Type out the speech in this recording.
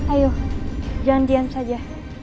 ayo jangan diam saja